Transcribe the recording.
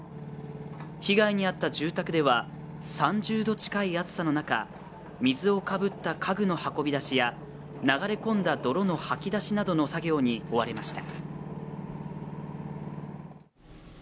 被害に遭った住宅では、３０度近い暑さの中、水をかぶった家具の運び出しや流れ込んだ泥の掃き出しなどの作業に追われました。